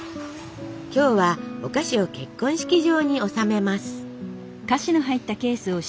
今日はお菓子を結婚式場に納めます。